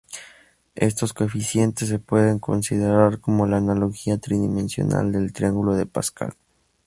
Estos coeficientes se pueden considerar como la analogía tridimensional del triángulo de Pascal.